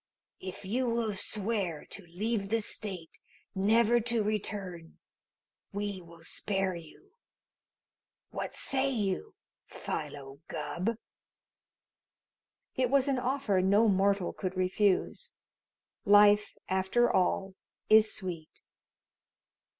If you will swear to leave the State, never to return, we will spare you. What say you, Philo Gubb?" It was an offer no mortal could refuse. Life, after all, is sweet.